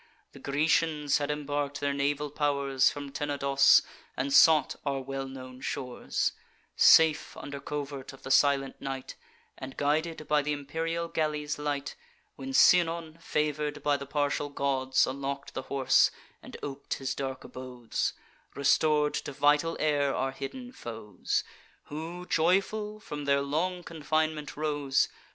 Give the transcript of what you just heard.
The Grecians had embark'd their naval pow'rs From Tenedos, and sought our well known shores, Safe under covert of the silent night, And guided by th' imperial galley's light; When Sinon, favour'd by the partial gods, Unlock'd the horse, and op'd his dark abodes; Restor'd to vital air our hidden foes, Who joyful from their long confinement rose.